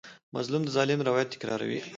مظلوم د ظالم روایت تکراروي.